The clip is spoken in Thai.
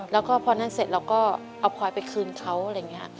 แล้วก็พอนั่นเสร็จเราก็เอาพลอยไปคืนเขาอะไรอย่างนี้